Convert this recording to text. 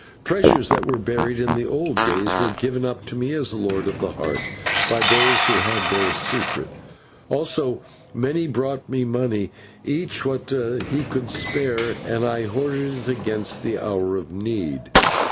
Treasures that were buried in the old days were given up to me as Lord of the Heart by those who had their secret; also many brought me money, each what he could spare, and I hoarded it against the hour of need.